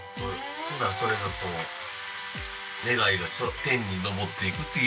ほんならそれがこう願いが天に昇っていくっていう。